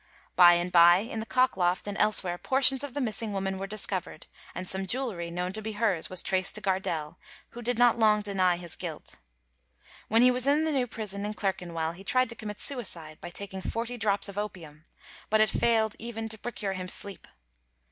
By and by in the cockloft and elsewhere portions of the missing woman were discovered, and some jewelry known to be hers was traced to Gardelle, who did not long deny his guilt. When he was in the new prison at Clerkenwell he tried to commit suicide by taking forty drops of opium; but it failed even to procure him sleep.